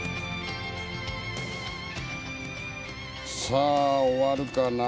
さあ終わるかな。